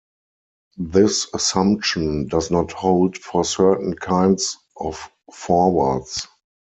This assumption does not hold for certain kinds of forwards.